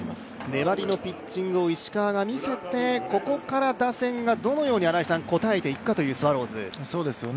粘りのピッチングを石川が見せてここから打線がどのように応えていくかというスワローズ。